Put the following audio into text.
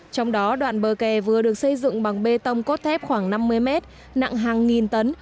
trong đó đoạn bờ kè vừa được xây dựng bằng bê tông cốt thép khoảng năm mươi mét nặng hàng nghìn tấn